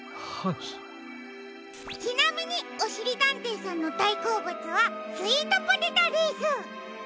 ちなみにおしりたんていさんのだいこうぶつはスイートポテトです。